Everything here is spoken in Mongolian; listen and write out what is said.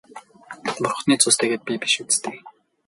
Бурхны цус тэгээд би биш биз дээ.